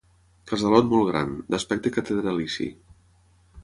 Casalot molt gran, d'aspecte catedralici.